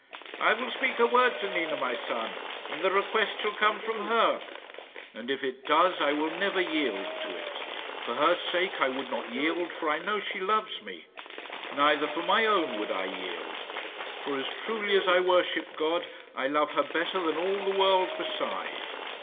"I will speak a word to Nina, my son, and the request shall come from her." "And if it does, I will never yield to it. For her sake I would not yield, for I know she loves me. Neither for my own would I yield; for as truly as I worship God, I love her better than all the world beside.